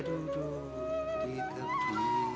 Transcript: duduk di kebintang lain